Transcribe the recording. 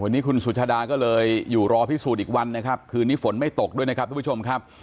วันนี้คุณสุชาดาก็เลยอยู่รอพิสูจน์อีกวันนะครับคืนนี้ฝนไม่ตกด้วยนะครับทุกผู้ชมครับ